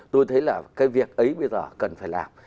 tôi thấy là cái việc ấy bây giờ cần phải làm